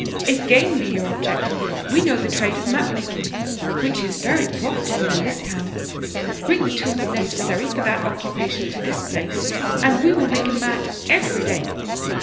If gain be your object, we know the trade of mat making which is very profitable in this town ; bring the tools necessary for that occupation to this place, and we will make a mat every day.'